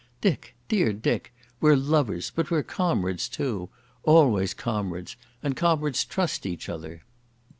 Dick, dear Dick, we're lovers, but we're comrades too—always comrades, and comrades trust each other."